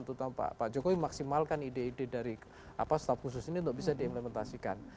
terutama pak jokowi maksimalkan ide ide dari staff khusus ini untuk bisa diimplementasikan